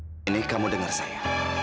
aini kamu dengar saya